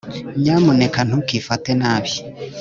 nyamuneka ntukifate nabi.